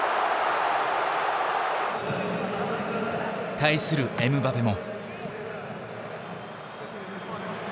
対するエムバペも。